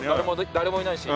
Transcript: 誰もいないし。